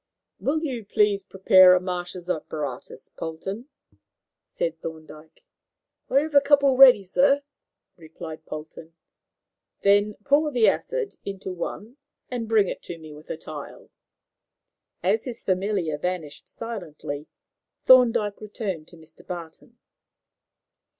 "Will you please prepare a Marsh's apparatus, Polton," said Thorndyke. "I have a couple ready, sir," replied Polton. "Then pour the acid into one and bring it to me, with a tile." As his familiar vanished silently, Thorndyke turned to Mr. Barton.